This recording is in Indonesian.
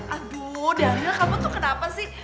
aduh dalil kamu tuh kenapa sih